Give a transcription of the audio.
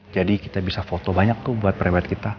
jadi kita bisa foto banyak tuh buat peribad kita